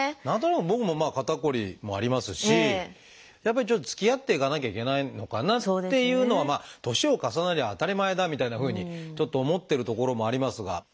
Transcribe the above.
何となく僕も肩こりもありますしやっぱりちょっとつきあっていかなきゃいけないのかなっていうのは年を重ねりゃ当たり前だみたいなふうにちょっと思ってるところもありますが。